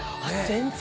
全然。